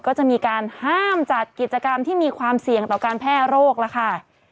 ก็จะมีการห้ามจัดกิจกรรมที่มีความเสี่ยงต่อการแพร่โรคแล้วค่ะ